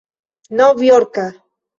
novjorka